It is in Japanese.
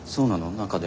中で？